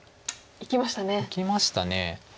いきました。